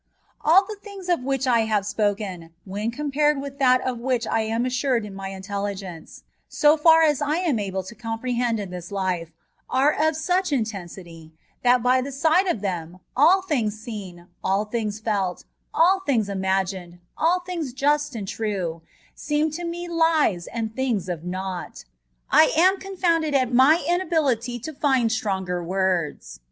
All the things of which I ha ve spoken, when com pared with that of which I am assured in my in telligence, so far as I am able to compreheod it in this life, are of such intensity, that, by the side of them, all things seen, all things felt, all things ima gined, all things just and trae, seem to me lies and things of naught. I am confounded at my inability to find stronger words.